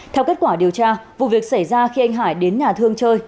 theo kết quả điều tra vụ việc xảy ra khi anh hải đến nhà thương chơi